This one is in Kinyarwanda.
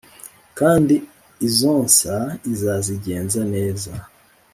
kandi izonsa izazigenza neza